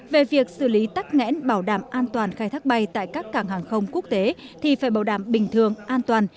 về việc xử lý tắc nghẽn bảo đảm an toàn khai thác bay tại các cảng hàng không quốc tế thì phải bảo đảm bình thường an toàn